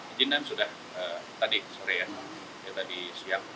izinkan sudah tadi sore ya tadi siang